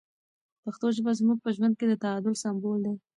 پښتو ژبه زموږ په ژوند کې د تعادل سمبول دی.